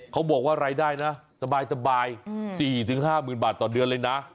เขาบอกว่ารายได้นะสบาย๔๕๐๐๐บาทต่อเดือนเลยนะ